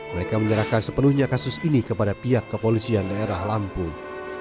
mereka menyerahkan sepenuhnya kasus ini kepada pihak kepolisian daerah lampung